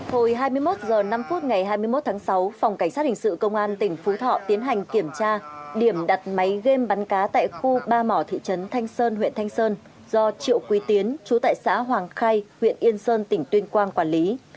hồi hai mươi một h năm ngày hai mươi một tháng sáu phòng cảnh sát hình sự công an tỉnh phú thọ tiến hành kiểm tra điểm đặt máy game bắn cá tại khu ba mỏ thị trấn thanh sơn huyện thanh sơn do triệu quy tiến chú tại xã hoàng khay huyện yên sơn tỉnh tuyên quang quản lý